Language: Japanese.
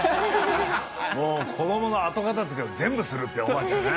もう子どもの後片づけを全部するって、おばあちゃんね。